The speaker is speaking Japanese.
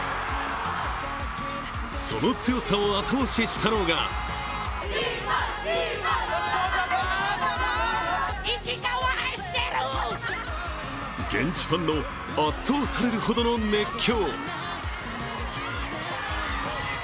その強さを後押ししたのが現地ファンの圧倒されるほどの熱気。